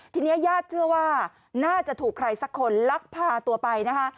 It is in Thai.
ทีนี้ญาติเชื่อว่าน่าจะถูกใครสักคนลักพาตัวไปนะคะ